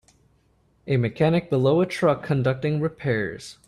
A mechanic below a truck conducting repairs.